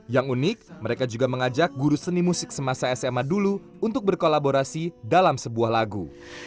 yang unik mereka juga mengajak guru seni musik semasa sma dulu untuk berkolaborasi dalam sebuah lagu